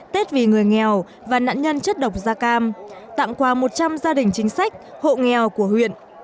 tết vì người nghèo và nạn nhân chất độc da cam tặng quà một trăm linh gia đình chính sách hộ nghèo của huyện